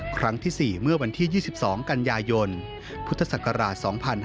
ครั้งที่๔เมื่อวันที่๒๒กันยายนพุทธศักราช๒๕๕๙